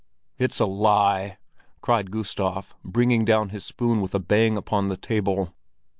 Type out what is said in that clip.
"It's a lie!" cried Gustav, bringing down his spoon with a bang upon the table.